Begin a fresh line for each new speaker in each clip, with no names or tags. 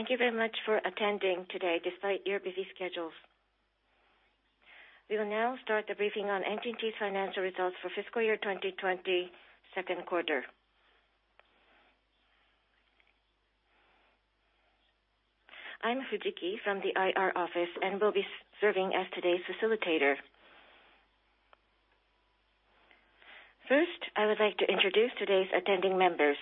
Thank you very much for attending today despite your busy schedules. We will now start the briefing on NTT's financial results for FY 2020 2Q. I'm Fujiki from the IR office and will be serving as today's facilitator. First, I would like to introduce today's attending members.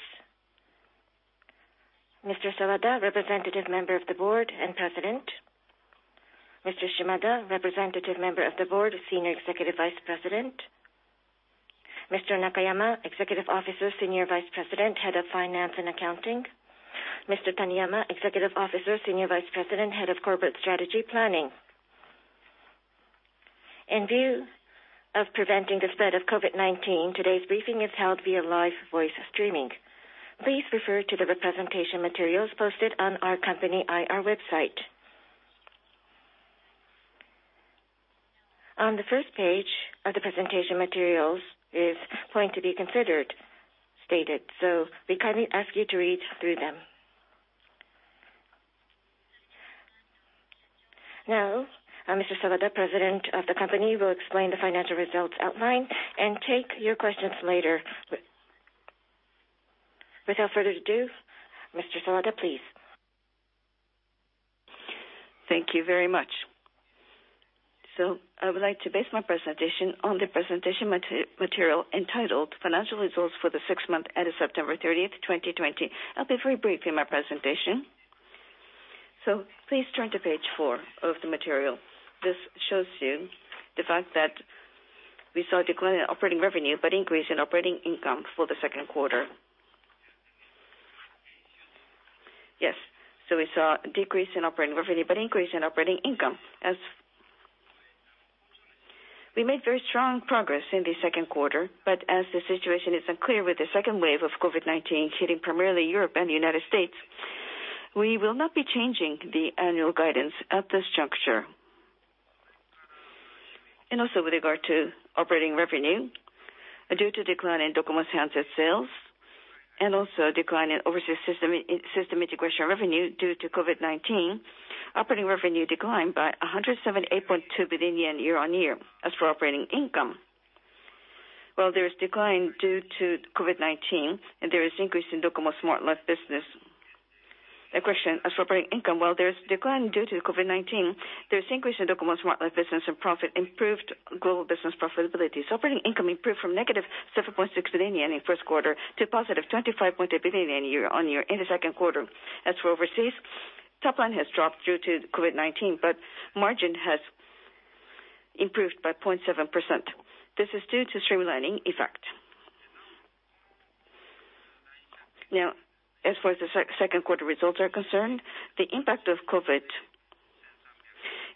Mr. Sawada, Representative Member of the Board and President. Mr. Shimada, Representative Member of the Board, Senior Executive Vice President. Mr. Nakayama, Executive Officer, Senior Vice President, Head of Finance and Accounting. Mr. Taniyama, Executive Officer, Senior Vice President, Head of Corporate Strategy Planning. In view of preventing the spread of COVID-19, today's briefing is held via live voice streaming. Please refer to the presentation materials posted on our company IR website. On the first page of the presentation materials is point to be considered, stated. We kindly ask you to read through them. Mr. Sawada, president of the company, will explain the financial results outlined and take your questions later. Without further ado, Mr. Sawada, please.
Thank you very much. I would like to base my presentation on the presentation material entitled Financial Results for the six months at September 30th, 2020. I'll be very brief in my presentation. Please turn to page four of the material. This shows you the fact that we saw a decline in operating revenue, but increase in operating income for the second quarter. Yes. We saw a decrease in operating revenue, but increase in operating income. We made very strong progress in the second quarter, but as the situation is unclear with the second wave of COVID-19 hitting primarily Europe and the U.S., we will not be changing the annual guidance at this juncture. Also with regard to operating revenue, due to decline in DOCOMO's handset sales and also decline in overseas system integration revenue due to COVID-19, operating revenue declined by 178.2 billion yen year-on-year. As for operating income, while there is decline due to COVID-19, and there is increase in DOCOMO Smart Life Business. A question. As for operating income, while there is decline due to COVID-19, there is increase in DOCOMO Smart Life Business and profit, improved global business profitability. Operating income improved from -7.6 billion yen in first quarter to +25.8 billion yen year-on-year in the second quarter. As for overseas, top line has dropped due to COVID-19, but margin has improved by 0.7%. This is due to streamlining effect. As far as the second quarter results are concerned, the impact of COVID-19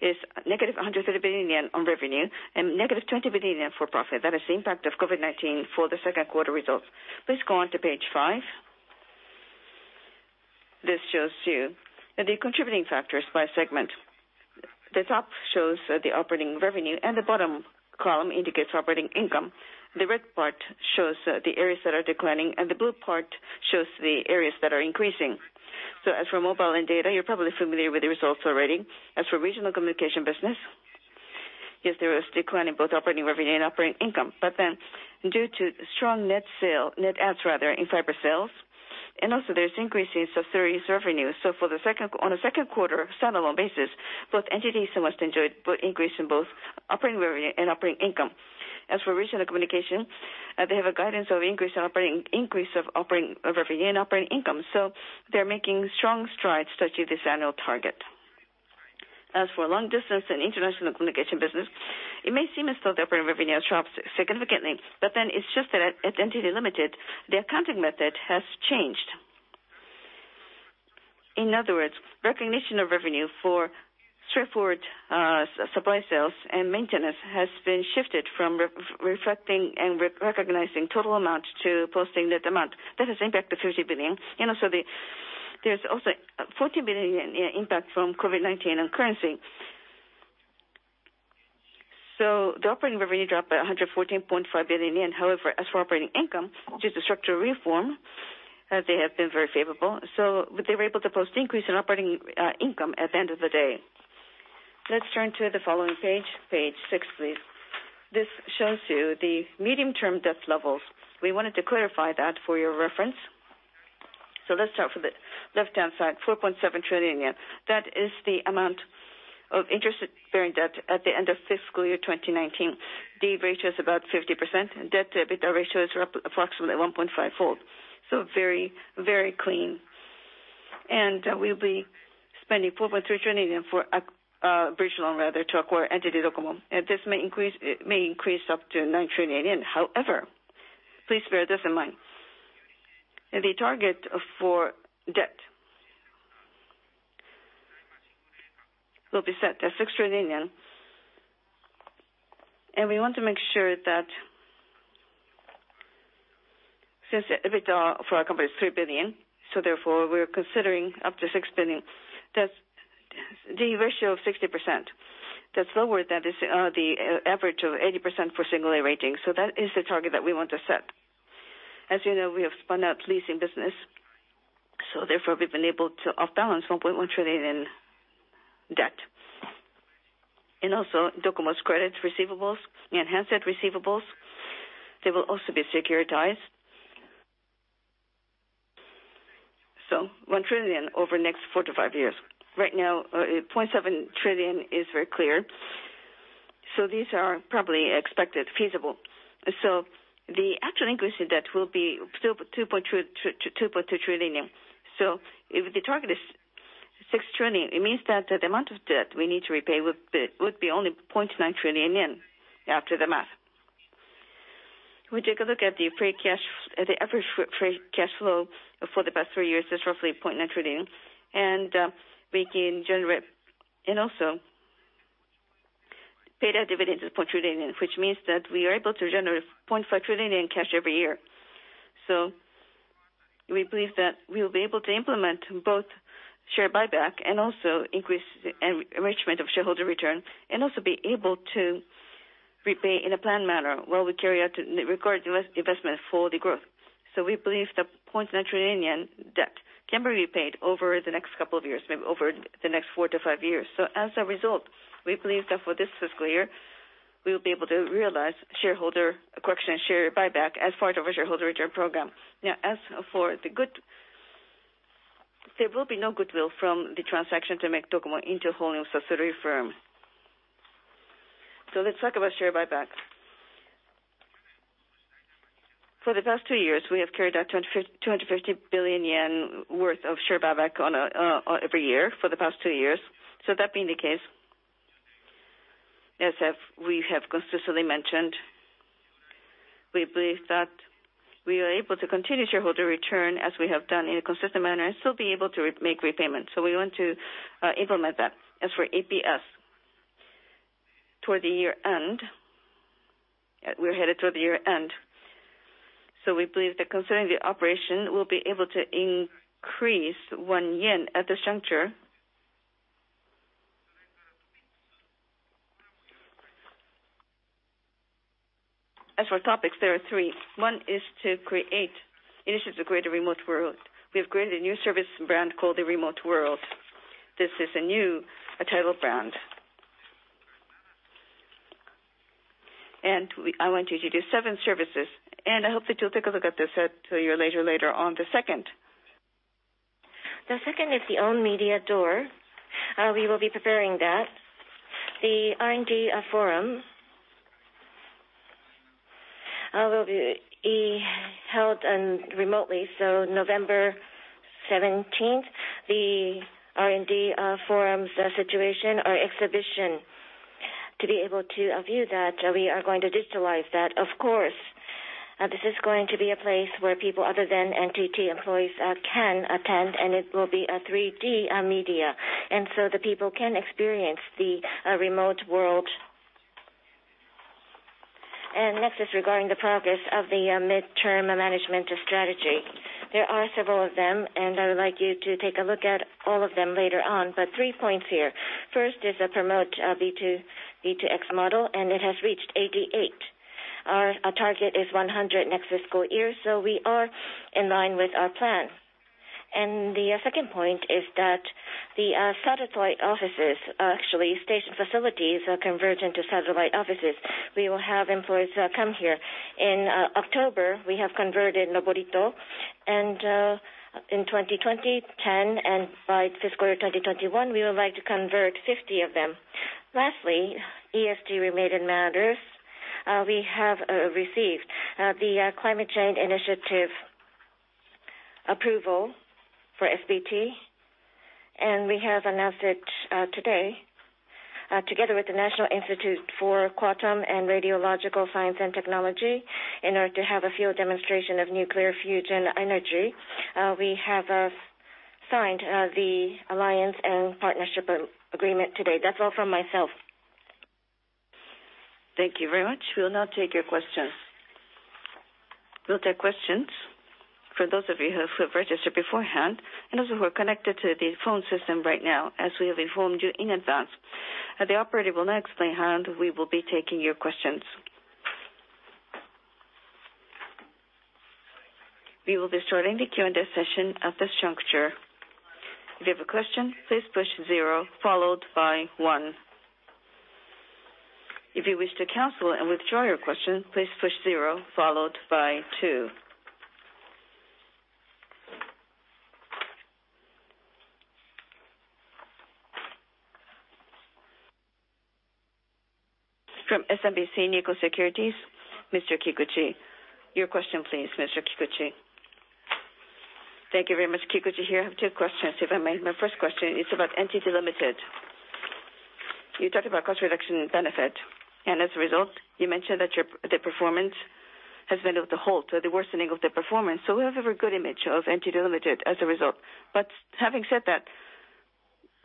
is -103 billion yen on revenue and -20 billion yen for profit. That is the impact of COVID-19 for the second quarter results. Please go on to page five. This shows you the contributing factors by segment. The top shows the operating revenue and the bottom column indicates operating income. The red part shows the areas that are declining, and the blue part shows the areas that are increasing. As for mobile and data, you're probably familiar with the results already. As for regional communication business, yes, there is decline in both operating revenue and operating income. Due to strong net adds in fiber sales, and also there's increases of service revenue. On a second quarter standalone basis, both entities almost enjoyed increase in both operating revenue and operating income. As for regional communication, they have a guidance of increase of operating revenue and operating income. They're making strong strides towards this annual target. As for long distance and international communication business, it may seem as though the operating revenue drops significantly, it's just that at NTT Ltd., the accounting method has changed. In other words, recognition of revenue for straightforward supply sales and maintenance has been shifted from reflecting and recognizing total amount to posting that amount. That has impact of 30 billion. Also, there's also 14 billion impact from COVID-19 and currency. The operating revenue dropped by 114.5 billion yen. However, as for operating income, due to structural reform, they have been very favorable. They were able to post increase in operating income at the end of the day. Let's turn to the following page six, please. This shows you the medium-term debt levels. We wanted to clarify that for your reference. Let's start from the left-hand side, 4.7 trillion yen. That is the amount of interest-bearing debt at the end of fiscal year 2019. D/E ratio is about 50%, and debt-to-EBITDA ratio is approximately 1.5x. Very clean. We'll be spending 4.3 trillion for bridge loan, rather, to acquire NTT DOCOMO. This may increase up to 9 trillion yen. However, please bear this in mind. The target for debt will be set as JPY 6 trillion. We want to make sure that since the EBITDA for our company is [3 billion], we are considering up to [6 billion] debt. The ratio of 60%, that's lower than the average of 80% for single A rating. That is the target that we want to set. As you know, we have spun out leasing business, therefore, we've been able to off balance 1.1 trillion in debt. Also, DOCOMO's credit receivables and handset receivables, they will also be securitized. 1 trillion over the next four to five years. Right now, 0.7 trillion is very clear. These are probably expected feasible. The actual interest debt will be 2.2 trillion yen. If the target is 6 trillion, it means that the amount of debt we need to repay would be only 0.9 trillion yen after the math. We take a look at the average free cash flow for the past three years is roughly 0.9 trillion. Also, paid out dividends is 0.2 trillion, which means that we are able to generate 0.5 trillion in cash every year. We believe that we will be able to implement both share buyback and also increase the enrichment of shareholder return, and also be able to repay in a planned manner while we carry out the required investment for the growth. We believe the 0.9 trillion yen debt can be repaid over the next couple of years, maybe over the next four to five years. As a result, we believe that for this fiscal year, we will be able to realize shareholder correction, share buyback as part of a shareholder return program. Now, as for the good, there will be no goodwill from the transaction to make DOCOMO into a holding subsidiary firm. Let's talk about share buyback. For the past two years, we have carried out 250 billion yen worth of share buyback every year for the past two years. That being the case, as we have consistently mentioned, we believe that we are able to continue shareholder return as we have done in a consistent manner and still be able to make repayments. We want to implement that. As for EPS, toward the year-end, we are headed toward the year-end. We believe that considering the operation, we will be able to increase 1 yen at this juncture. As for topics, there are three. One is to create initiatives to create a Remote World. We have created a new service brand called the Remote World. This is a new title brand. I want you to do seven services, and I hope that you will take a look at this a year later. The second is the OWN MEDIA DOOR. We will be preparing that. The R&D Forum will be held remotely. November 17th, the R&D Forum's situation or exhibition. To be able to view that, we are going to digitalize that. Of course, this is going to be a place where people other than NTT employees can attend, and it will be a 3D media. The people can experience the Remote World. Next is regarding the progress of the midterm management strategy. There are several of them, and I would like you to take a look at all of them later on. Three points here. First is the promoteB2B2X model, and it has reached 88. Our target is 100 next fiscal year, we are in line with our plan. The second point is that the satellite offices, actually station facilities, are convergent to satellite offices. We will have employees come here. In October, we have converted Noborito, and in 2020, 10, and by fiscal year 2021, we would like to convert 50 of them. Lastly, ESG-related matters. We have received the Climate Change Initiative approval for SBT, and we have announced it today, together with the National Institutes for Quantum and Radiological Science and Technology. In order to have a field demonstration of nuclear fusion energy, we have signed the alliance and partnership agreement today. That's all from myself.
Thank you very much. We will now take your questions. We'll take questions for those of you who have registered beforehand and those who are connected to the phone system right now, as we have informed you in advance. The operator will now explain how we will be taking your questions. We will be starting the Q&A session at this juncture. From SMBC Nikko Securities, Mr. Kikuchi. Your question, please, Mr. Kikuchi.
Thank you very much. Kikuchi here. I have two questions, if I may. My first question is about NTT Ltd. You talked about cost reduction benefit, and as a result, you mentioned that the performance has been of the halt or the worsening of the performance. We have a good image of NTT Ltd. As a result. Having said that,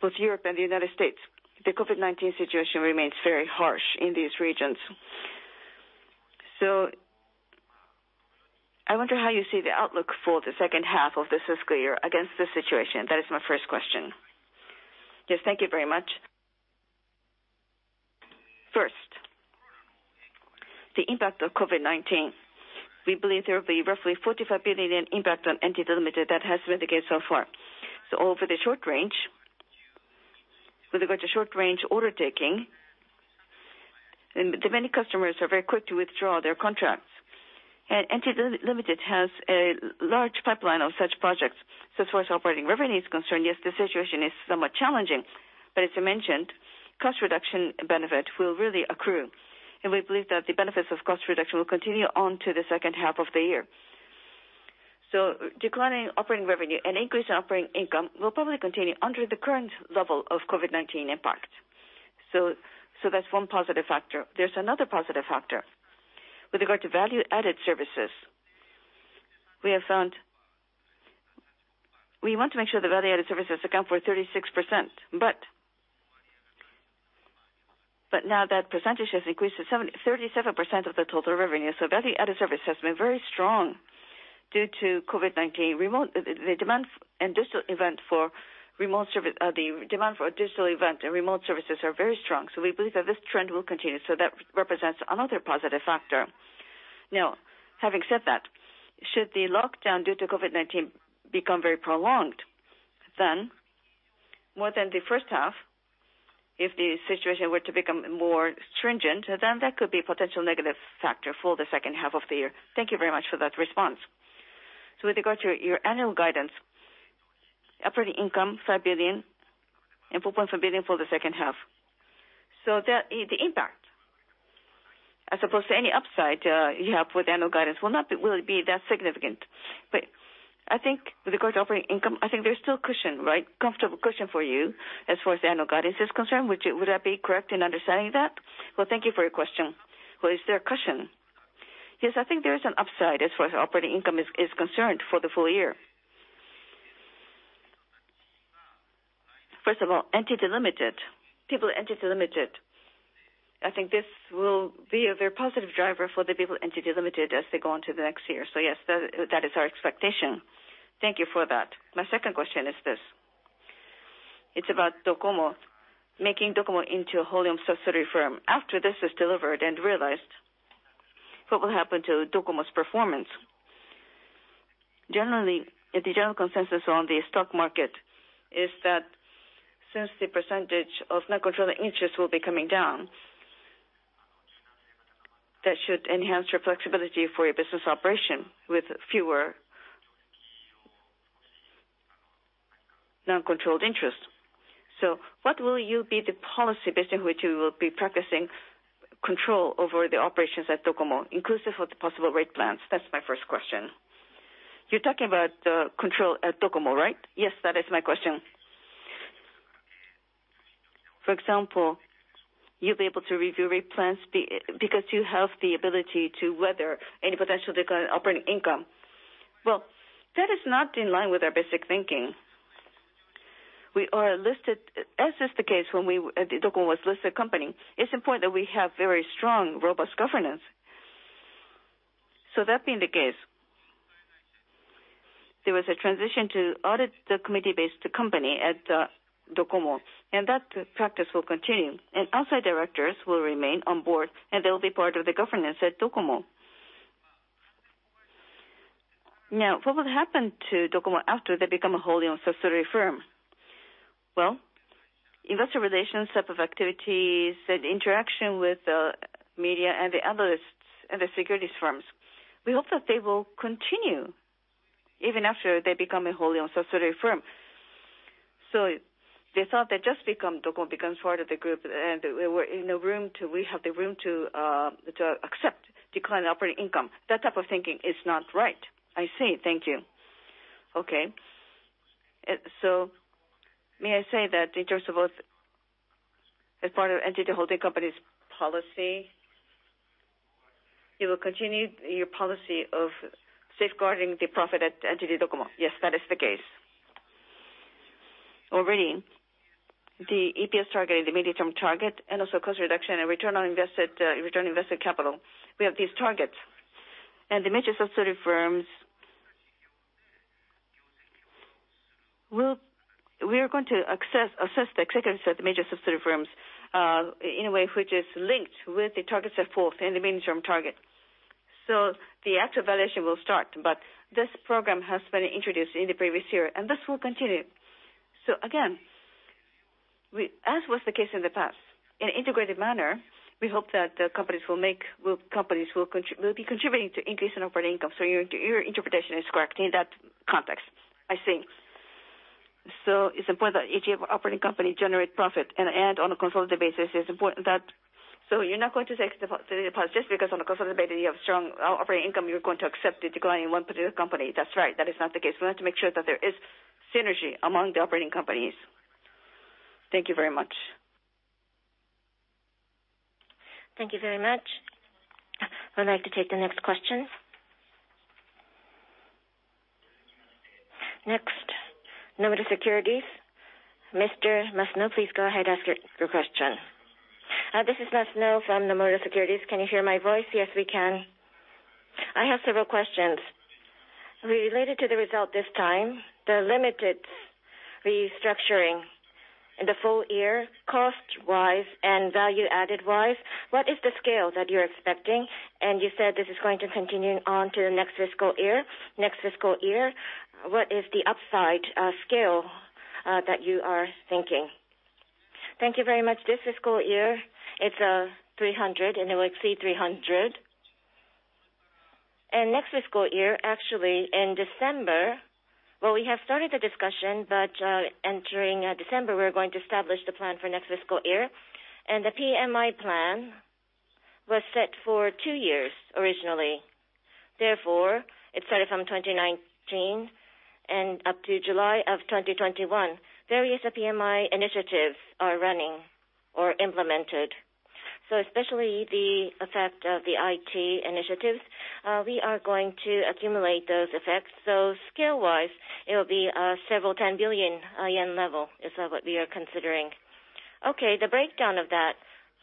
both Europe and the United States, the COVID-19 situation remains very harsh in these regions. I wonder how you see the outlook for the second half of this fiscal year against this situation. That is my first question.
Yes, thank you very much. First, the impact of COVID-19. We believe there will be roughly 45 billion impact on NTT Ltd. That has been the case so far. With regard to short-range order taking, many customers are very quick to withdraw their contracts. NTT Ltd. Has a large pipeline of such projects. As far as operating revenue is concerned, yes, the situation is somewhat challenging, but as you mentioned, cost reduction benefit will really accrue, and we believe that the benefits of cost reduction will continue on to the second half of the year. Declining operating revenue and increase in operating income will probably continue under the current level of COVID-19 impact. That's one positive factor. There's another positive factor. With regard to value-added services, we want to make sure that value-added services account for 36%, but now that percentage has increased to 37% of the total revenue. Value-added service has been very strong due to COVID-19. The demand for digital event and remote services are very strong. We believe that this trend will continue. That represents another positive factor. Having said that, should the lockdown due to COVID-19 become very prolonged, then more than the first half, if the situation were to become more stringent, then that could be a potential negative factor for the second half of the year.
Thank you very much for that response. With regard to your annual guidance, operating income, 5 billion and 4.4 billion for the second half. The impact, as opposed to any upside, you have with annual guidance will not be that significant. I think with regards to operating income, I think there's still cushion, right? Comfortable cushion for you as far as annual guidance is concerned. Would I be correct in understanding that?
Well, thank you for your question. Well, is there a cushion? Yes, I think there is an upside as far as operating income is concerned for the full year. First of all, NTT Ltd. People, NTT Ltd. I think this will be a very positive driver for the people at NTT Ltd. As they go on to the next year. Yes, that is our expectation.
Thank you for that. My second question is this. It's about making DOCOMO into a wholly owned subsidiary firm. After this is delivered and realized, what will happen to DOCOMO's performance?
Generally, the general consensus on the stock market is that since the percentage of non-controlling interest will be coming down, that should enhance your flexibility for your business operation with fewer non-controlled interests.
What will be the policy based on which you will be practicing control over the operations at DOCOMO, inclusive of the possible rate plans? That's my first question.
You're talking about the control at DOCOMO, right?
Yes, that is my question.
For example, you'll be able to review rate plans because you have the ability to weather any potential decline in operating income. Well, that is not in line with our basic thinking. As is the case when DOCOMO was a listed company, it's important that we have very strong, robust governance. That being the case, there was a transition to audit the committee-based company at DOCOMO, and that practice will continue, and outside directors will remain on board, and they will be part of the governance at DOCOMO.
Now, what will happen to DOCOMO after they become a wholly owned subsidiary firm?
Well, investor relations type of activities and interaction with media and the analysts and the securities firms, we hope that they will continue even after they become a wholly owned subsidiary firm. The thought that just DOCOMO becomes part of the group, and we have the room to accept decline in operating income. That type of thinking is not right.
I see. Thank you.
Okay.
May I say that in terms of as part of NTT holding company's policy, you will continue your policy of safeguarding the profit at NTT DOCOMO?
Yes, that is the case. Already, the EPS target is the medium-term target, and also cost reduction and return on invested capital. We have these targets. The major subsidiary firms, we are going to assess the securities at the major subsidiary firms in a way which is linked with the targets set forth in the medium-term target. The actual valuation will start, but this program has been introduced in the previous year, and this will continue. Again, as was the case in the past, in an integrated manner, we hope that companies will be contributing to increase in operating income. Your interpretation is correct in that context.
I see. It's important that each operating company generates profit, and on a consolidated basis, it's important that. You're not going to take deposit just because on a consolidated basis, you have strong operating income, you're going to accept the decline in one particular company.
That's right. That is not the case. We want to make sure that there is synergy among the operating companies.
Thank you very much.
Thank you very much. I'd like to take the next question. Next, Nomura Securities. Mr. Masuno, please go ahead, ask your question.
This is Masuno from Nomura Securities. Can you hear my voice?
Yes, we can.
I have several questions. Related to the result this time, the limited restructuring in the full year, cost-wise and value-added wise, what is the scale that you're expecting? You said this is going to continue on to the next fiscal year. Next fiscal year, what is the upside scale that you are thinking?
Thank you very much. This fiscal year, it's 300, and it will exceed 300. Next fiscal year, actually, in December, well, we have started the discussion, but entering December, we're going to establish the plan for next fiscal year. The PMI plan was set for two years originally. Therefore, it started from 2019 and up to July 2021. Various PMI initiatives are running or implemented. Especially the effect of the IT initiatives, we are going to accumulate those effects. Scale-wise, it will be several 10 billion yen level, is what we are considering.
Okay. The breakdown of that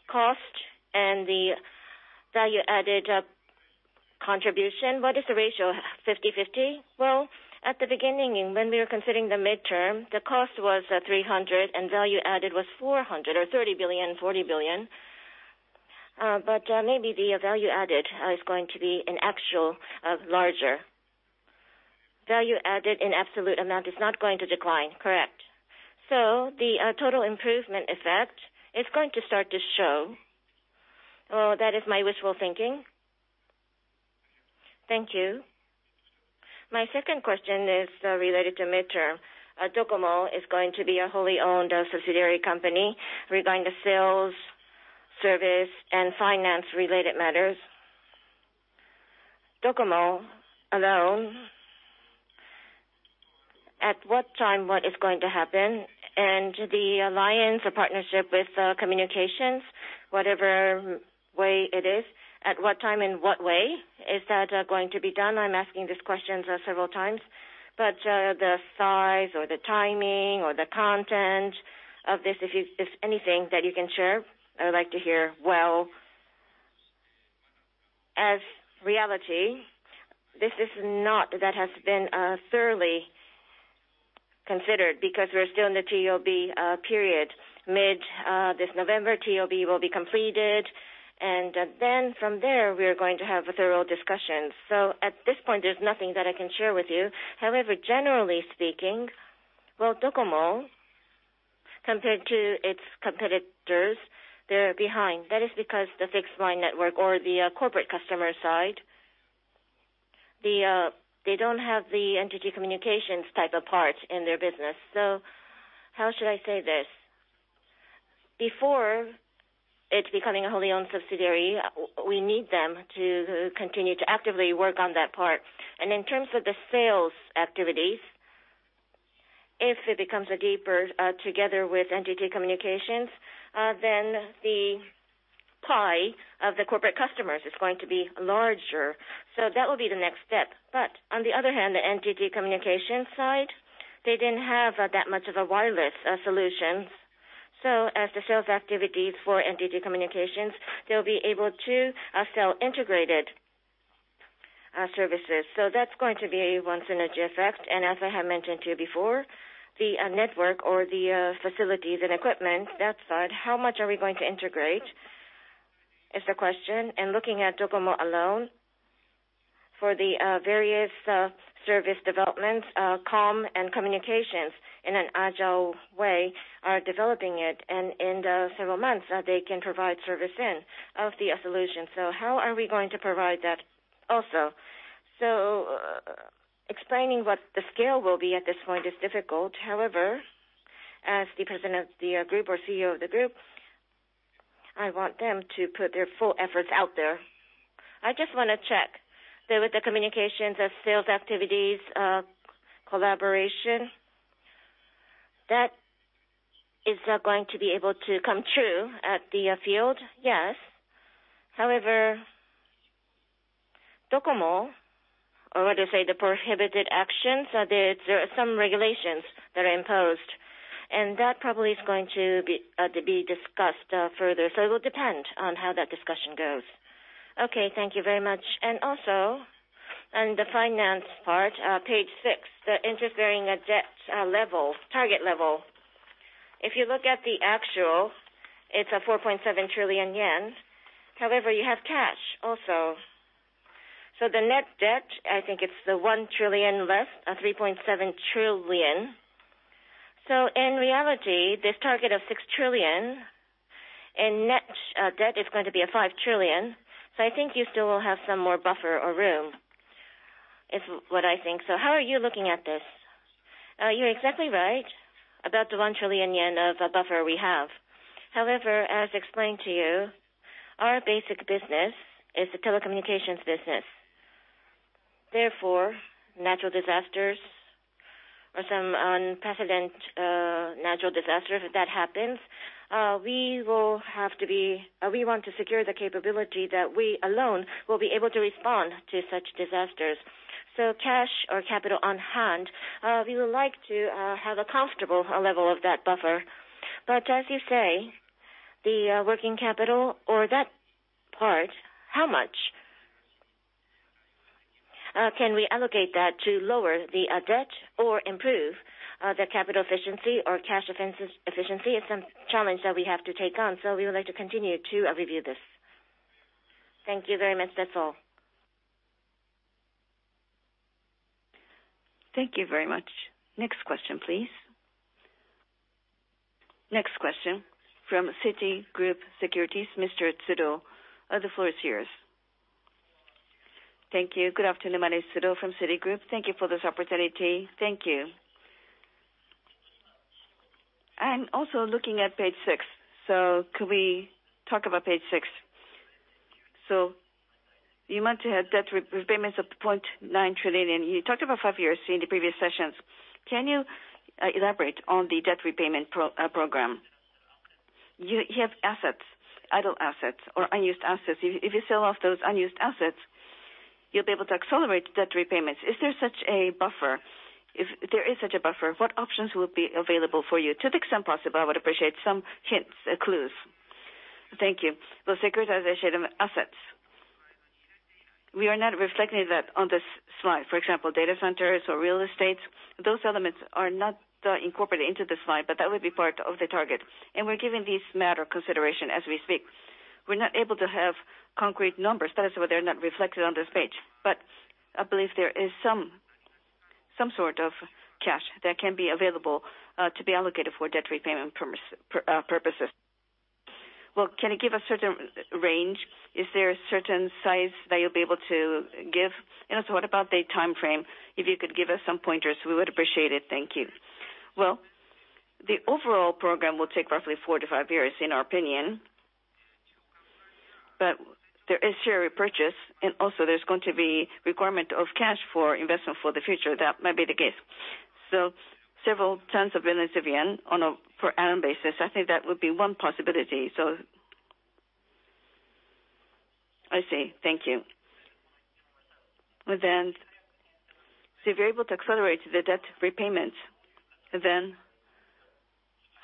cost and the value-added contribution, what is the ratio? 50/50?
Well, at the beginning, when we were considering the midterm, the cost was 300 and value added was 400, or 30 billion, 40 billion. Maybe the value added is going to be an actual larger.
Value added in absolute amount is not going to decline.
Correct. The total improvement effect is going to start to show. Well, that is my wishful thinking.
Thank you. My second question is related to midterm. DOCOMO is going to be a wholly-owned subsidiary company regarding the sales, service, and finance-related matters. DOCOMO alone, at what time, what is going to happen? The alliance or partnership with Communications, whatever way it is, at what time and what way is that going to be done? I'm asking these questions several times, the size or the timing or the content of this, if there's anything that you can share, I would like to hear.
Well, as reality, this is not that has been thoroughly considered because we're still in the TOB period. Mid this November, TOB will be completed, from there, we are going to have thorough discussions. At this point, there's nothing that I can share with you. Generally speaking, well, DOCOMO, compared to its competitors, they're behind. That is because the fixed line network or the corporate customer side, they don't have the NTT Communications type of part in their business. How should I say this? Before it's becoming a wholly owned subsidiary, we need them to continue to actively work on that part. In terms of the sales activities, if it becomes deeper together with NTT Communications, then the pie of the corporate customers is going to be larger. That will be the next step. On the other hand, the NTT Communications side, they didn't have that much of a wireless solution. As the sales activities for NTT Communications, they'll be able to sell integrated services. That's going to be one synergy effect. As I have mentioned to you before, the network or the facilities and equipment, that side, how much are we going to integrate, is the question. Looking at DOCOMO alone, for the various service developments, comm and communications in an agile way are developing it. In several months, they can provide service in of the solution. How are we going to provide that also? Explaining what the scale will be at this point is difficult. However, as the president of the group or CEO of the group, I want them to put their full efforts out there.
I just want to check. That with the communications and sales activities collaboration, that is going to be able to come true at the field?
Yes. However, DOCOMO, or what they say, the prohibited actions, there are some regulations that are imposed. That probably is going to be discussed further. It will depend on how that discussion goes.
Okay. Thank you very much. Also, on the finance part, page six, the interest-bearing debt level, target level. If you look at the actual, it's 4.7 trillion yen. However, you have cash also. The net debt, I think it's the 1 trillion left, 3.7 trillion. In reality, this target of 6 trillion, in net debt, it's going to be 5 trillion. I think you still will have some more buffer or room, is what I think. How are you looking at this?
You're exactly right about the 1 trillion yen of buffer we have. However, as explained to you, our basic business is the telecommunications business. Therefore, natural disasters or some unprecedented natural disaster that happens, we want to secure the capability that we alone will be able to respond to such disasters. Cash or capital on hand, we would like to have a comfortable level of that buffer. As you say, the working capital or that part, how much can we allocate that to lower the debt or improve the capital efficiency or cash efficiency? It's a challenge that we have to take on, so we would like to continue to review this.
Thank you very much. That's all.
Thank you very much. Next question, please. Next question from Citigroup Securities, Mr. Tsuruo. The floor is yours.
Thank you. Good afternoon. My name is Tsuruo from Citigroup. Thank you for this opportunity. Thank you. I'm also looking at page six. Could we talk about page six? You want to have debt repayments of 0.9 trillion, and you talked about five years in the previous sessions. Can you elaborate on the debt repayment program? You have idle assets or unused assets. If you sell off those unused assets, you'll be able to accelerate debt repayments. Is there such a buffer? If there is such a buffer, what options will be available for you? To the extent possible, I would appreciate some hints or clues.
Thank you. Those securitization assets. We are not reflecting that on this slide. For example, data centers or real estate. Those elements are not incorporated into the slide, but that would be part of the target, and we're giving these matter consideration as we speak. We're not able to have concrete numbers. That is why they're not reflected on this page. I believe there is some sort of cash that can be available to be allocated for debt repayment purposes.
Can you give a certain range? Is there a certain size that you'll be able to give? What about the timeframe? If you could give us some pointers, we would appreciate it. Thank you.
The overall program will take roughly four to five years, in our opinion. There is share repurchase, and also there's going to be requirement of cash for investment for the future. That might be the case. Several tens of billions of yen on a per annum basis. I think that would be one possibility.
I see. Thank you. If you're able to accelerate the debt repayments, then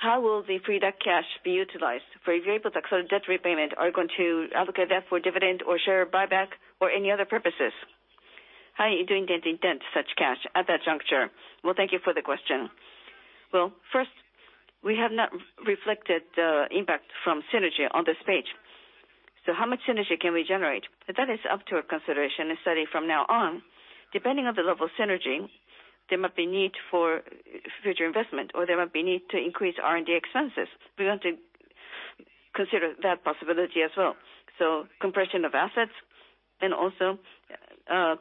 how will the free debt cash be utilized? If you're able to accelerate debt repayment, are you going to allocate that for dividend or share buyback or any other purposes? How are you going to intend such cash at that juncture?
Well, thank you for the question. Well, first, we have not reflected the impact from synergy on this page. How much synergy can we generate? That is up to a consideration, a study from now on. Depending on the level of synergy, there might be need for future investment, or there might be need to increase R&D expenses. We want to consider that possibility as well. Compression of assets and also,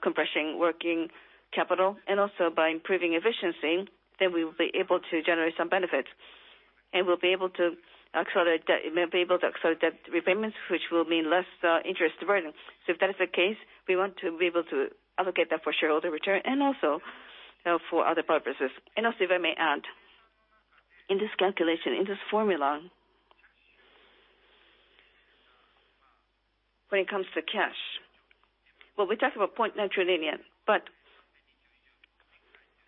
compressing working capital, and also by improving efficiency, then we will be able to generate some benefit. We'll be able to accelerate debt repayments, which will mean less interest burden. If that is the case, we want to be able to allocate that for shareholder return and also for other purposes. If I may add, in this calculation, in this formula, when it comes to cash, well, we talked about 0.9 trillion, but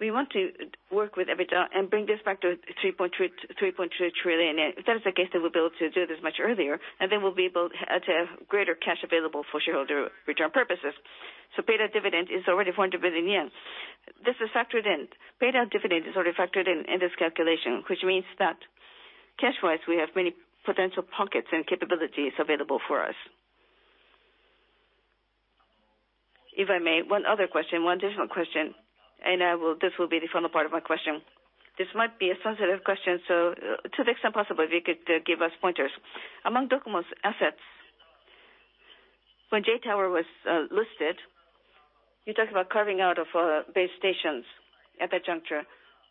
we want to work with EBITDA and bring this back to 3.2 trillion. If that is the case, then we'll be able to do this much earlier, and then we'll be able to have greater cash available for shareholder return purposes. Paid-out dividend is already 400 billion yen. This is factored in. Paid-out dividend is already factored in this calculation, which means that cash-wise, we have many potential pockets and capabilities available for us.
If I may, one other question, one additional question, and this will be the final part of my question. This might be a sensitive question, so to the extent possible, if you could give us pointers. Among DOCOMO's assets, when JTOWER was listed, you talked about carving out of base stations at that juncture.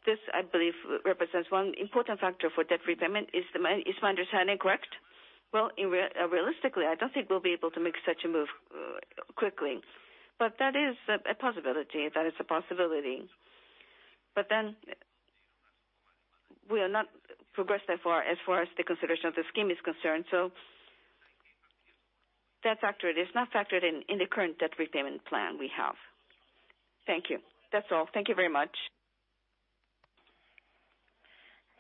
This, I believe, represents one important factor for debt repayment. Is my understanding correct?
Realistically, I don't think we'll be able to make such a move quickly. That is a possibility. We are not progressed that far as far as the consideration of the scheme is concerned. That factor, it is not factored in the current debt repayment plan we have.
Thank you. That's all. Thank you very much.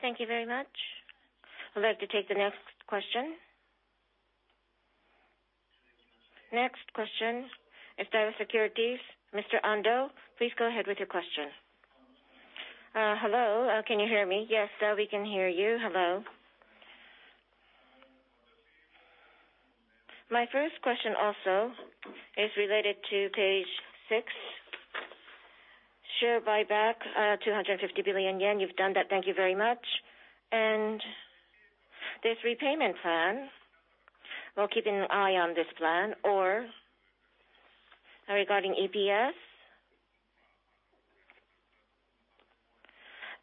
Thank you very much. I'd like to take the next question. Next question, Daiwa Securities, Mr. Ando, please go ahead with your question.
Hello. Can you hear me?
Yes, we can hear you. Hello.
My first question also is related to page six. Share buyback, 250 billion yen. You've done that. Thank you very much. This repayment plan, we'll keep an eye on this plan. Regarding EPS,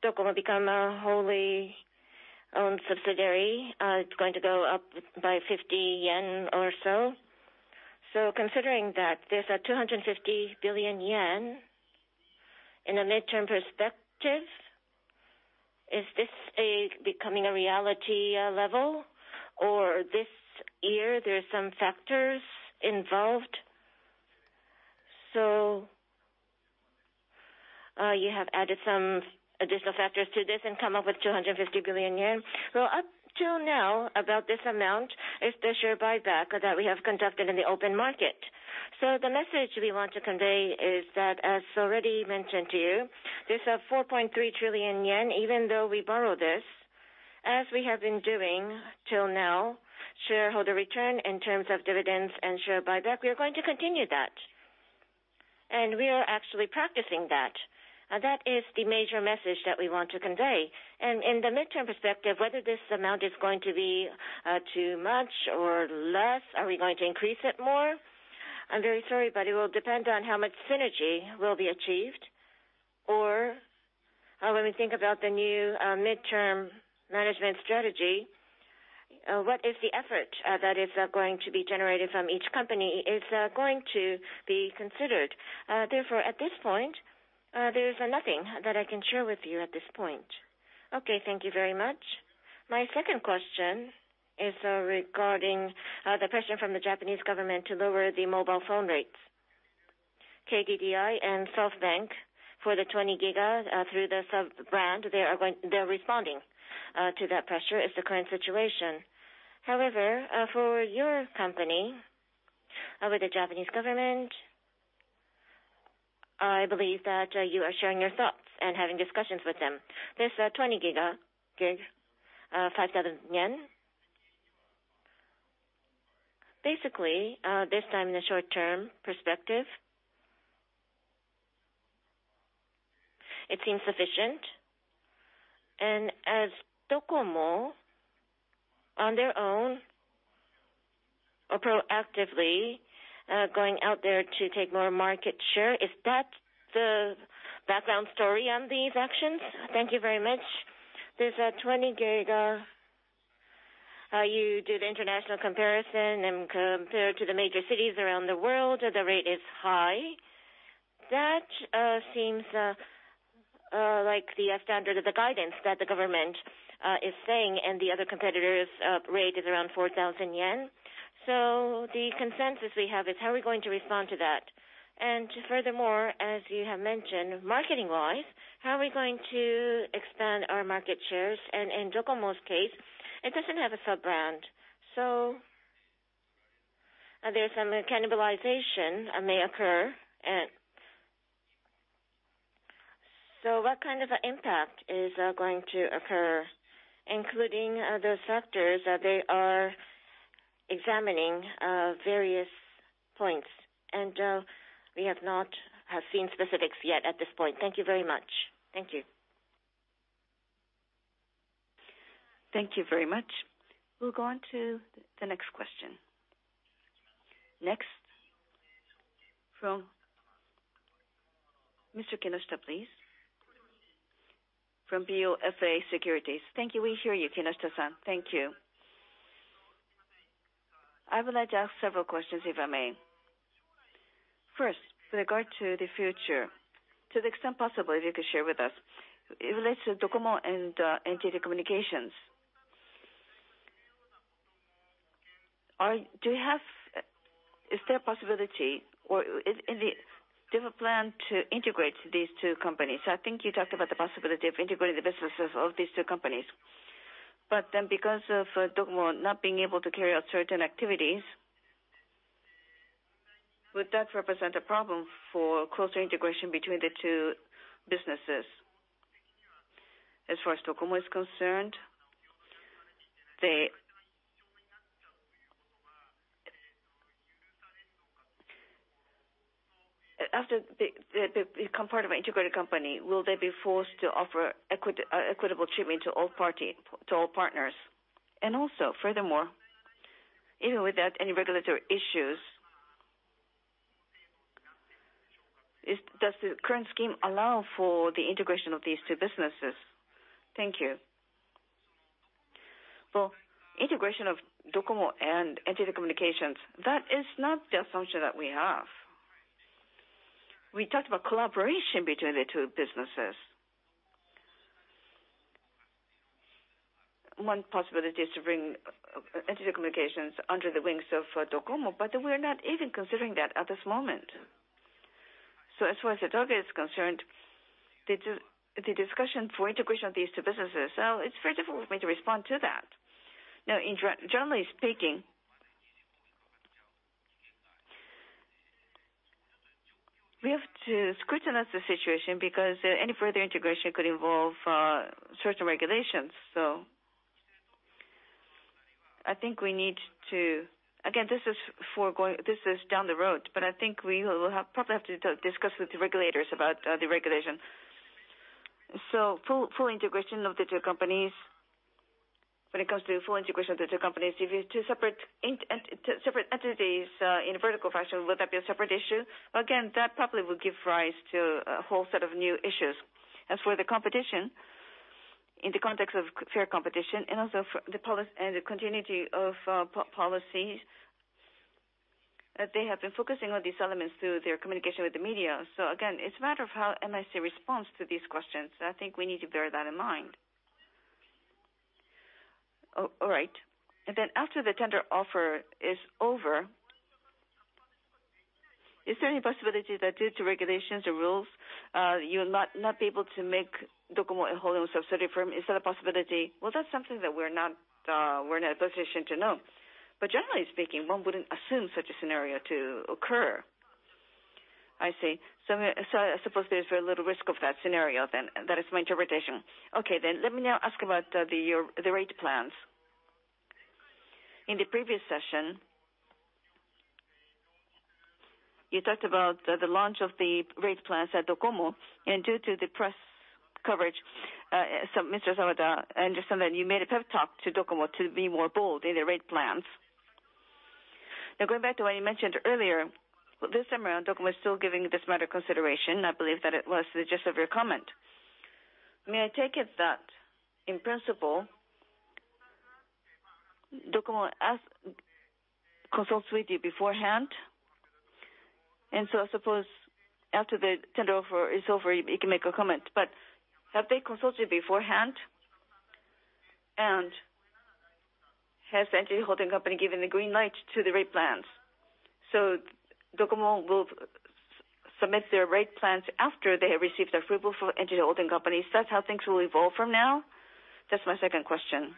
DOCOMO become a wholly owned subsidiary. It's going to go up by 50 yen or so. Considering that there's a 250 billion yen in a midterm perspective, is this becoming a reality level? Or this year, there are some factors involved?
You have added some additional factors to this and come up with 250 billion yen. Up till now, about this amount is the share buyback that we have conducted in the open market. The message we want to convey is that, as already mentioned to you, this 4.3 trillion yen, even though we borrow this, as we have been doing till now, shareholder return in terms of dividends and share buyback, we are going to continue that. We are actually practicing that. That is the major message that we want to convey. In the midterm perspective, whether this amount is going to be too much or less, are we going to increase it more? I'm very sorry, it will depend on how much synergy will be achieved. When we think about the new midterm management strategy, what is the effort that is going to be generated from each company is going to be considered. At this point, there is nothing that I can share with you at this point.
Okay. Thank you very much. My second question is regarding the pressure from the Japanese government to lower the mobile phone rates. KDDI and SoftBank, for the 20 giga, through the sub-brand, they are responding to that pressure, is the current situation. For your company, with the Japanese government, I believe that you are sharing your thoughts and having discussions with them. This 20 giga, JPY 5,000. Basically, this time, in the short-term perspective, it seems sufficient. As DOCOMO, on their own, are proactively going out there to take more market share. Is that the background story on these actions?
Thank you very much. This 20 giga, you did international comparison, and compared to the major cities around the world, the rate is high. That seems like the standard of the guidance that the government is saying, and the other competitor's rate is around 4,000 yen. The consensus we have is how are we going to respond to that? Furthermore, as you have mentioned, marketing-wise, how are we going to expand our market shares? In DOCOMO's case, it doesn't have a sub-brand, so there's some cannibalization may occur. What kind of impact is going to occur, including those factors? They are examining various points, and we have not have seen specifics yet at this point. Thank you very much.
Thank you.
Thank you very much. We'll go on to the next question. Next, from Mr. Kinoshita, please.
From BofA Securities.
Thank you. We hear you, Kinoshita-san.
Thank you. I would like to ask several questions, if I may. First, with regard to the future, to the extent possible, if you could share with us, it relates to DOCOMO and NTT Communications. Is there a possibility, or do you have a plan to integrate these two companies? I think you talked about the possibility of integrating the businesses of these two companies. Because of DOCOMO not being able to carry out certain activities, would that represent a problem for closer integration between the two businesses? As far as DOCOMO is concerned, after they become part of an integrated company, will they be forced to offer equitable treatment to all partners? Even without any regulatory issues, does the current scheme allow for the integration of these two businesses? Thank you.
Integration of DOCOMO and NTT Communications, that is not the assumption that we have. We talked about collaboration between the two businesses. One possibility is to bring NTT Communications under the wings of DOCOMO, we're not even considering that at this moment. As far as the target is concerned, the discussion for integration of these two businesses, it's very difficult for me to respond to that. Generally speaking, we have to scrutinize the situation because any further integration could involve certain regulations. I think we need to, again, this is down the road, I think we will probably have to discuss with the regulators about the regulation. Full integration of the two companies. When it comes to full integration of the two companies, if it's two separate entities in a vertical fashion, will that be a separate issue? That probably will give rise to a whole set of new issues. As for the competition. In the context of fair competition and also the continuity of policies, they have been focusing on these elements through their communication with the media. It's a matter of how MIC responds to these questions. I think we need to bear that in mind.
All right. After the tender offer is over, is there any possibility that due to regulations or rules, you'll not be able to make DOCOMO a wholly-owned subsidiary firm? Is that a possibility?
Well, that's something that we're not in a position to know. Generally speaking, one wouldn't assume such a scenario to occur.
I see. I suppose there's very little risk of that scenario then. That is my interpretation. Let me now ask about the rate plans. In the previous session, you talked about the launch of the rate plans at DOCOMO. Due to the press coverage, Mr. Sawada, I understand that you made a pep talk to DOCOMO to be more bold in their rate plans. Going back to what you mentioned earlier, this time around, DOCOMO is still giving this matter consideration. I believe that it was the gist of your comment. May I take it that, in principle, DOCOMO consults with you beforehand? I suppose after the tender offer is over, you can make a comment, but have they consulted beforehand? Has NTT given the green light to the rate plans? DOCOMO will submit their rate plans after they have received the approval from NTT Holding Company. Is that how things will evolve from now? That's my second question.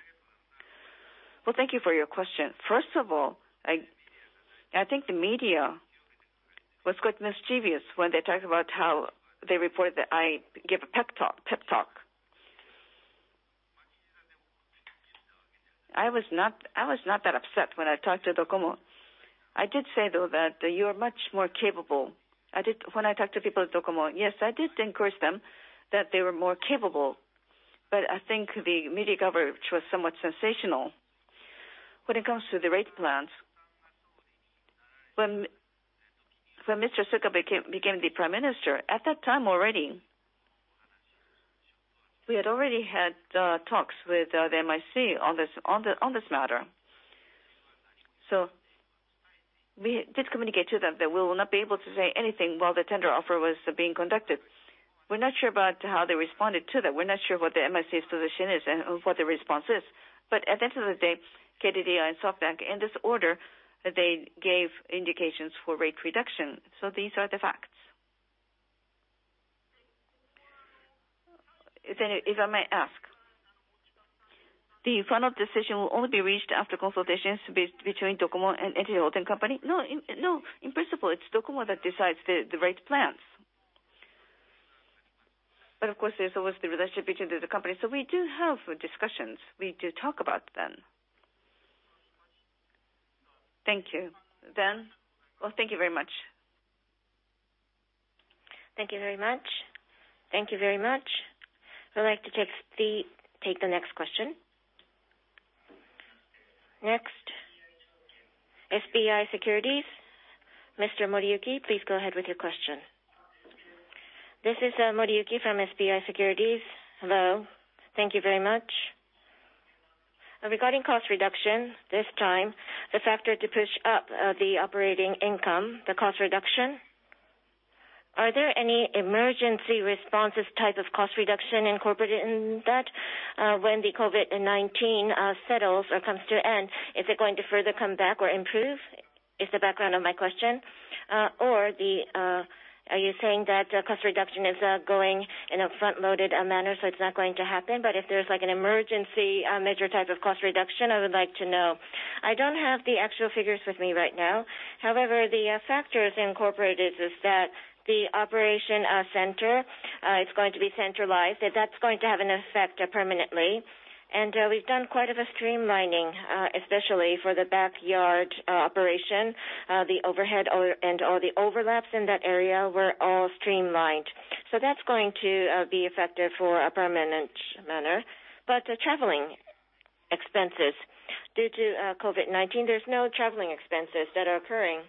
Thank you for your question. First of all, I think the media was quite mischievous when they talked about how they reported that I gave a pep talk. I was not that upset when I talked to DOCOMO. I did say, though, that, "You are much more capable." When I talked to people at DOCOMO, yes, I did encourage them that they were more capable, but I think the media coverage was somewhat sensational. When it comes to the rate plans, when Mr. Suga became the prime minister, at that time already, we had already had talks with the MIC on this matter. We did communicate to them that we will not be able to say anything while the tender offer was being conducted. We're not sure about how they responded to that. We're not sure what the MIC's position is and what the response is. At the end of the day, KDDI and SoftBank, in this order, they gave indications for rate reduction. These are the facts.
If I may ask, the final decision will only be reached after consultations between DOCOMO and NTT Holding Company?
No. In principle, it's DOCOMO that decides the rate plans. Of course, there's always the relationship between the two companies. We do have discussions. We do talk about them.
Thank you, then. Well, thank you very much.
Thank you very much. We'd like to take the next question. Next, SBI Securities, Mr. Moriyuki, please go ahead with your question.
This is Moriyuki from SBI Securities. Hello.
Thank you very much.
Regarding cost reduction, this time, the factor to push up the operating income, the cost reduction, are there any emergency responses type of cost reduction incorporated in that? When the COVID-19 settles or comes to end, is it going to further come back or improve? Is the background of my question. Are you saying that cost reduction is going in a front-loaded manner, so it's not going to happen? If there's like an emergency, major type of cost reduction, I would like to know.
I don't have the actual figures with me right now. However, the factors incorporated is that the operation center is going to be centralized, that's going to have an effect permanently. We've done quite a bit of streamlining, especially for the backyard operation. The overhead and all the overlaps in that area were all streamlined. That's going to be effective for a permanent manner. Traveling expenses, due to COVID-19, there's no traveling expenses that are occurring.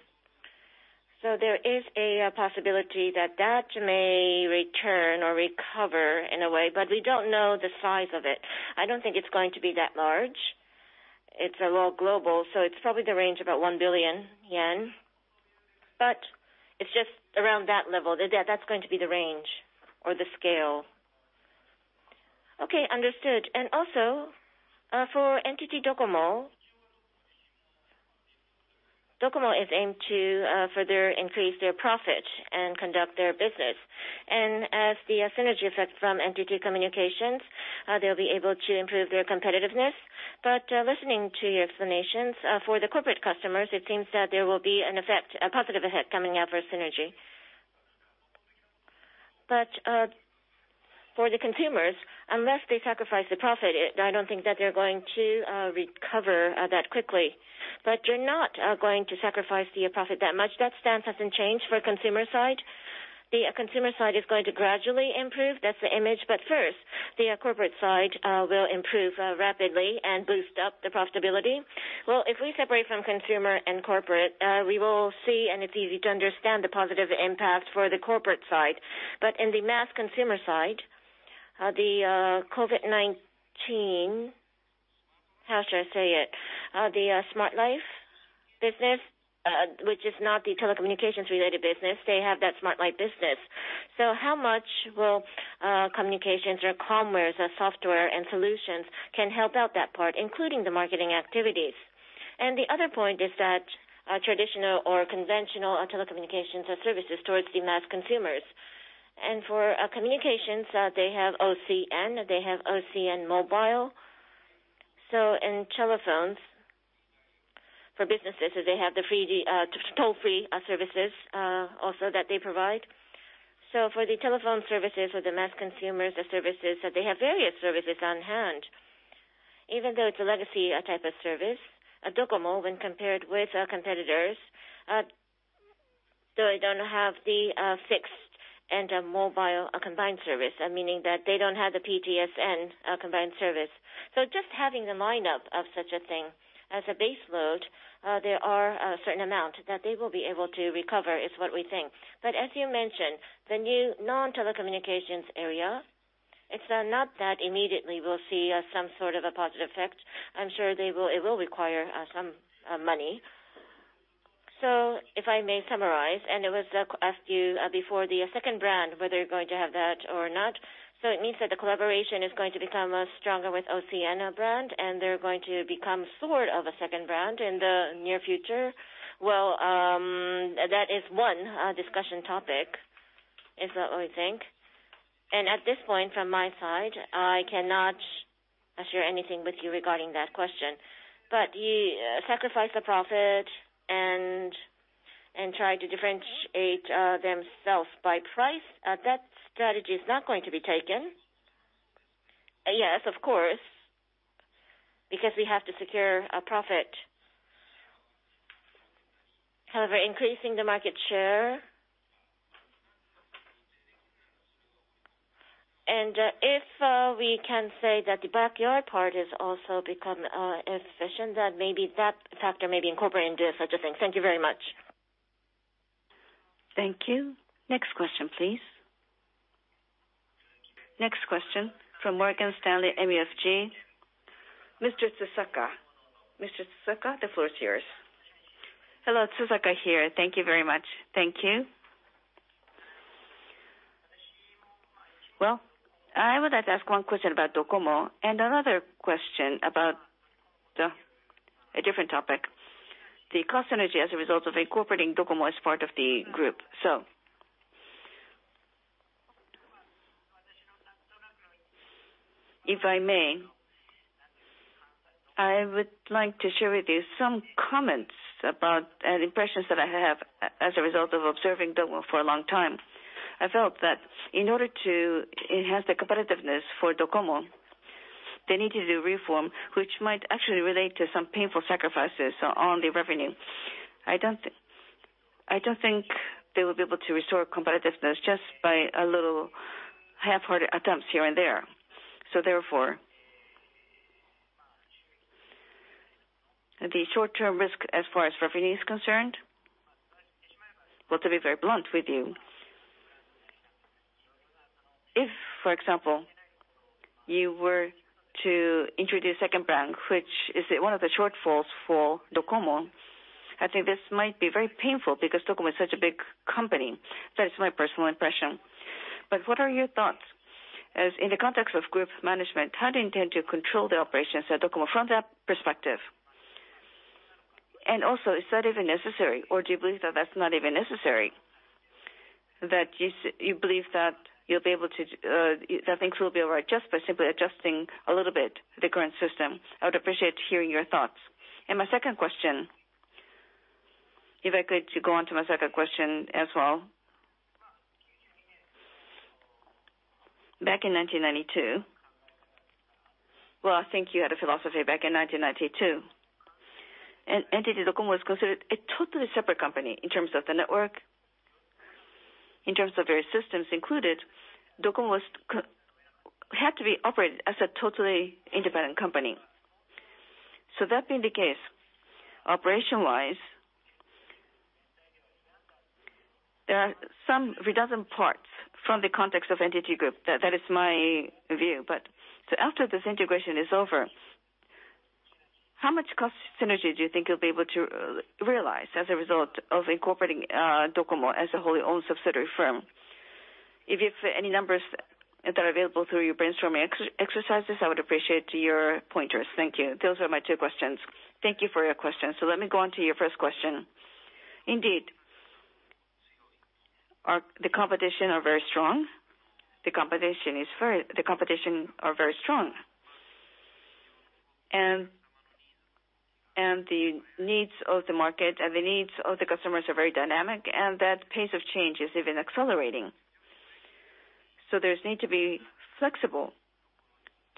There is a possibility that that may return or recover in a way, but we don't know the size of it. I don't think it's going to be that large. It's global, so it's probably the range about 1 billion yen. It's just around that level. That's going to be the range or the scale.
Okay. Understood. Also for NTT DOCOMO is aimed to further increase their profit and conduct their business. As the synergy effect from NTT Communications, they'll be able to improve their competitiveness. Listening to your explanations, for the corporate customers, it seems that there will be a positive effect coming out for synergy. For the consumers, unless they sacrifice the profit, I don't think that they're going to recover that quickly. You're not going to sacrifice the profit that much. That stance hasn't changed for consumer side? The consumer side is going to gradually improve. That's the image. First, the corporate side will improve rapidly and boost up the profitability?
Well, if we separate from consumer and corporate, we will see, and it's easy to understand the positive impact for the corporate side. In the mass consumer side, the COVID-19. How should I say it? The Smart Life Business, which is not the telecommunications-related business, they have that Smart Life Business. How much will communications or commerce or software and solutions can help out that part, including the marketing activities? The other point is that traditional or conventional telecommunications or services towards the mass consumers. For communications, they have OCN, they have OCN Mobile. In telephones, for businesses, they have the toll-free services, also that they provide. For the telephone services, for the mass consumers, the services, they have various services on hand. Even though it's a legacy type of service, DOCOMO, when compared with competitors, they don't have the fixed and mobile combined service, meaning that they don't have the PGSN combined service. Just having the lineup of such a thing as a base load, there are a certain amount that they will be able to recover is what we think. As you mentioned, the new non-telecommunications area, it's not that immediately we'll see some sort of a positive effect. I'm sure it will require some money. If I may summarize, and it was asked you before, the second brand, whether you're going to have that or not. It means that the collaboration is going to become stronger with OCN brand, and they're going to become sort of a second brand in the near future. That is one discussion topic, is what we think. At this point, from my side, I cannot share anything with you regarding that question. Sacrifice the profit and try to differentiate themselves by price, that strategy is not going to be taken. Yes, of course, because we have to secure a profit. However, increasing the market share, and if we can say that the backyard part has also become efficient, that factor may be incorporated into such a thing. Thank you very much.
Thank you. Next question, please. Next question from Morgan Stanley MUFG. Mr. Tsusaka. Mr. Tsusaka, the floor is yours.
Hello, Tsusaka here.
Thank you very much.
Thank you. I would like to ask one question about DOCOMO and another question about a different topic. The cost synergy as a result of incorporating DOCOMO as part of the group. If I may, I would like to share with you some comments about, and impressions that I have as a result of observing DOCOMO for a long time. I felt that in order to enhance the competitiveness for DOCOMO, they need to do reform, which might actually relate to some painful sacrifices on the revenue. I don't think they will be able to restore competitiveness just by a little half-hearted attempts here and there. Therefore, the short-term risk as far as revenue is concerned, well, to be very blunt with you, if, for example, you were to introduce second brand, which is one of the shortfalls for DOCOMO, I think this might be very painful because DOCOMO is such a big company. That is my personal impression. What are your thoughts? In the context of group management, how do you intend to control the operations at DOCOMO from that perspective? Also, is that even necessary, or do you believe that that's not even necessary? That you believe that things will be all right just by simply adjusting a little bit the current system. I would appreciate hearing your thoughts. My second question, if I could go on to my second question as well. Back in 1992, well, I think you had a philosophy back in 1992. NTT DOCOMO was considered a totally separate company in terms of the network, in terms of various systems included. DOCOMO had to be operated as a totally independent company. That being the case, operation-wise, there are some redundant parts from the context of NTT Group. That is my view. After this integration is over, how much cost synergy do you think you'll be able to realize as a result of incorporating DOCOMO as a wholly owned subsidiary firm? If you have any numbers that are available through your brainstorming exercises, I would appreciate your pointers. Thank you. Those are my two questions.
Thank you for your questions. Let me go on to your first question. Indeed. The competition are very strong. The needs of the market and the needs of the customers are very dynamic, and that pace of change is even accelerating. There's need to be flexible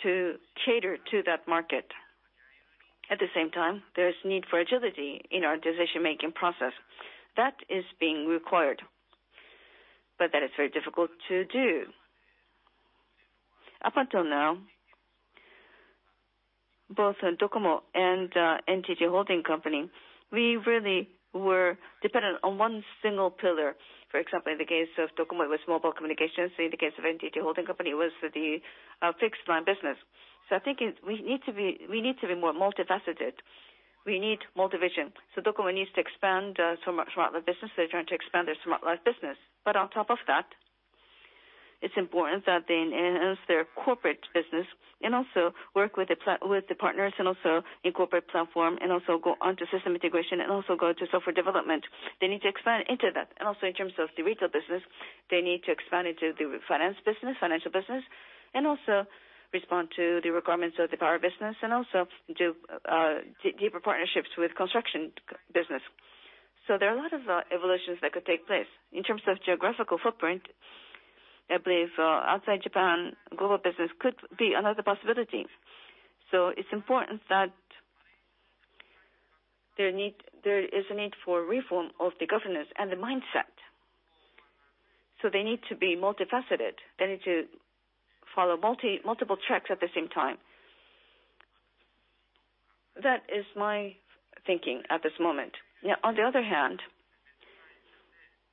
to cater to that market. At the same time, there is need for agility in our decision-making process. That is being required, but that is very difficult to do. Up until now, both DOCOMO and NTT holding company, we really were dependent on one single pillar. For example, in the case of DOCOMO, it was mobile communications. In the case of NTT holding company, it was the fixed-line business. I think we need to be more multifaceted. We need motivation. DOCOMO needs to expand so much throughout their business. They're trying to expand their Smart Life Business. On top of that, it's important that they enhance their corporate business and also work with the partners, and also incorporate platform, and also go onto system integration, and also go to software development. They need to expand into that. In terms of the retail business, they need to expand into the finance business, financial business, and also respond to the requirements of the power business and also do deeper partnerships with construction business. There are a lot of evolutions that could take place. In terms of geographical footprint, I believe outside Japan, global business could be another possibility. It's important that there is a need for reform of the governance and the mindset. They need to be multifaceted. They need to follow multiple tracks at the same time. That is my thinking at this moment. On the other hand,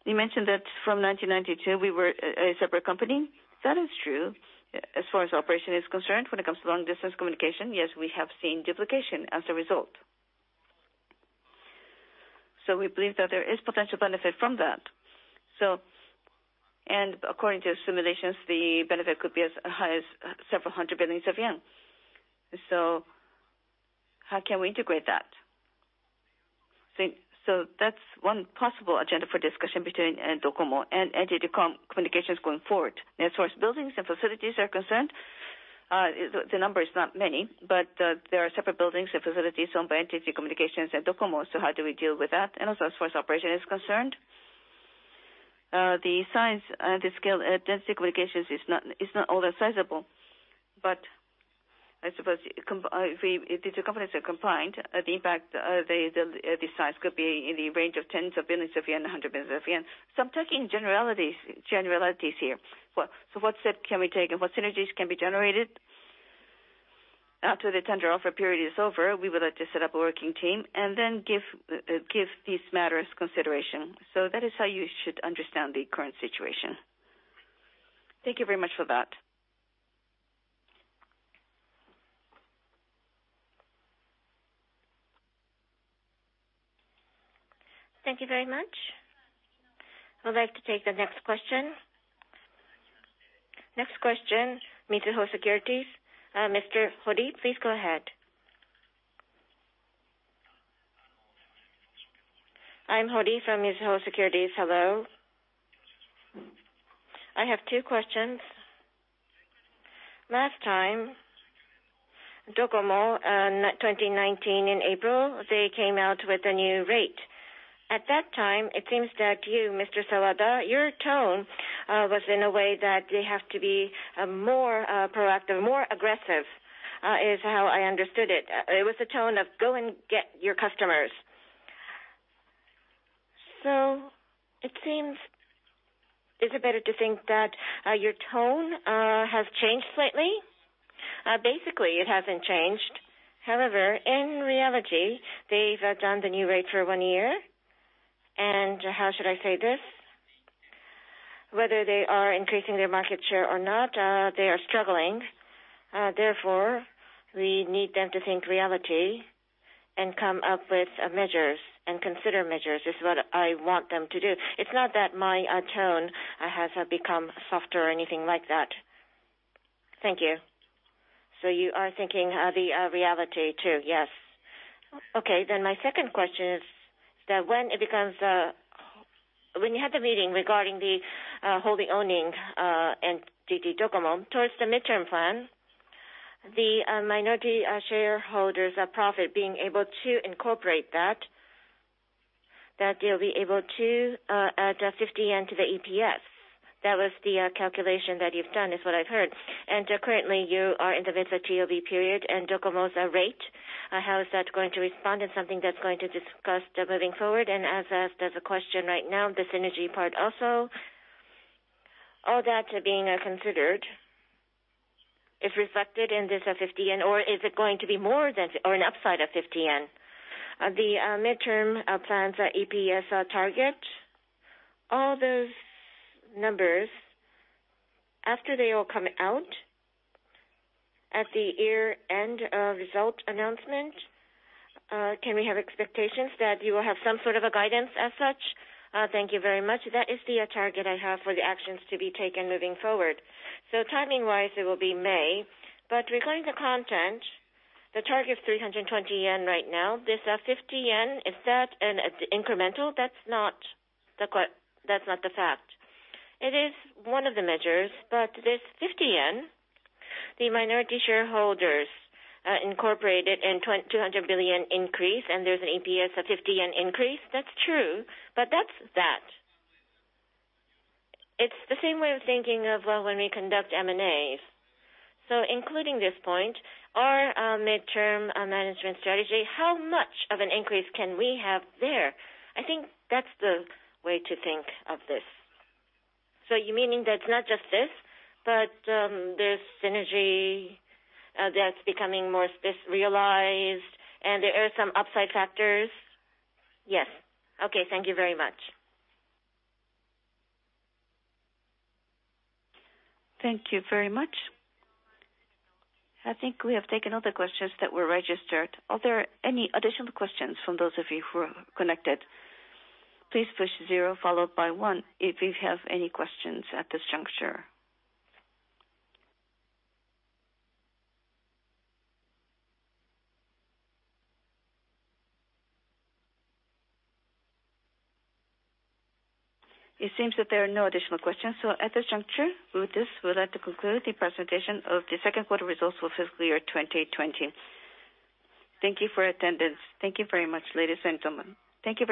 you mentioned that from 1992, we were a separate company. That is true as far as operation is concerned. When it comes to long-distance communication, yes, we have seen duplication as a result. We believe that there is potential benefit from that. According to simulations, the benefit could be as high as several hundred billion yen. How can we integrate that? That's one possible agenda for discussion between NTT DOCOMO and NTT Communications going forward. As far as buildings and facilities are concerned, the number is not many, but there are separate buildings and facilities owned by NTT Communications and DOCOMO. How do we deal with that? Also, as far as operation is concerned, the size, the scale, debt obligations is not all that sizable. I suppose if the two companies are combined, the impact, the size could be in the range of tens of billions of yen and hundred billions of yen. I'm talking generalities here. What step can we take and what synergies can be generated? After the tender offer period is over, we would like to set up a working team and then give these matters consideration. That is how you should understand the current situation.
Thank you very much for that.
Thank you very much. I'd like to take the next question. Next question, Mizuho Securities. Mr. Hori, please go ahead.
I'm Hori from Mizuho Securities. Hello. I have two questions. Last time, DOCOMO, 2019 in April, they came out with a new rate. At that time, it seems that you, Mr. Sawada, your tone was in a way that they have to be more proactive, more aggressive, is how I understood it. It was a tone of, "Go and get your customers. It seems, is it better to think that your tone has changed slightly?
Basically, it hasn't changed. However, in reality, they've done the new rate for one year. How should I say this? Whether they are increasing their market share or not, they are struggling. Therefore, we need them to think reality and come up with measures and consider measures, is what I want them to do. It's not that my tone has become softer or anything like that.
Thank you. You are thinking the reality, too?
Yes.
Okay. My second question is that when you had the meeting regarding the wholly owning NTT DOCOMO towards the midterm plan, the minority shareholders profit being able to incorporate that they'll be able to add the 50 yen to the EPS. That was the calculation that you've done, is what I've heard. Currently, you are in the mid to late period, and DOCOMO's rate, how is that going to respond and something that's going to discuss moving forward? As a question right now, the synergy part also, all that being considered, if reflected in this 50, or is it going to be more than, or an upside of 50? The midterm plans EPS target, all those numbers, after they all come out at the year-end result announcement, can we have expectations that you will have some sort of a guidance as such?
Thank you very much. That is the target I have for the actions to be taken moving forward. Timing-wise, it will be May. Regarding the content, the target 320 yen right now, this 50 yen, is that an incremental? That's not the fact. It is one of the measures, this 50 yen, the minority shareholders incorporate it in 200 billion increase, and there's an EPS of 50 yen increase. That's true, that's that. It's the same way of thinking of when we conduct M&As. Including this point, our midterm management strategy, how much of an increase can we have there? I think that's the way to think of this.
You meaning that it's not just this, but there's synergy that's becoming more realized, and there are some upside factors?
Yes.
Okay. Thank you very much.
Thank you very much. I think we have taken all the questions that were registered. Are there any additional questions from those of you who are connected? It seems that there are no additional questions. At this juncture, with this, we'd like to conclude the presentation of the second quarter results for fiscal year 2020. Thank you for attendance. Thank you very much, ladies and gentlemen. Thank you very much.